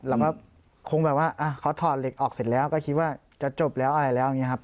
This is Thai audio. เราก็คงแบบว่าเขาถอดเหล็กออกเสร็จแล้วก็คิดว่าจะจบแล้วอะไรแล้วอย่างนี้ครับ